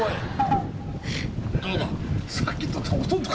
どうだ？